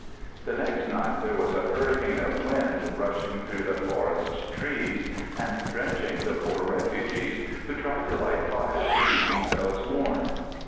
The next night there was a hurricane of wind rushing through the forest trees and drenching the poor refugees, who tried to light fires to keep themselves warm.